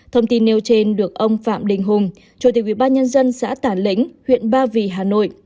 thông tin nêu trên được ông phạm đình hùng chủ tịch ubnd xã tả lĩnh huyện ba vì hà nội